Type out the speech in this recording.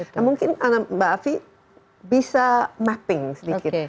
nah mungkin mbak afi bisa mapping sedikit